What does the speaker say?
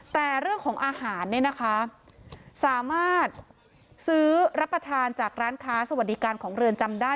แต่เรื่องของอาหารเนี่ยนะคะสามารถซื้อรับประทานจากร้านค้าสวัสดิการของเรือนจำได้